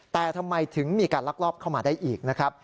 แต่ทำไมถึงมีการลักลอบเข้ามาได้อีกนะครับ